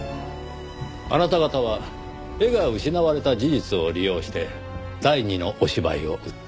あなた方は絵が失われた事実を利用して第２のお芝居を打った。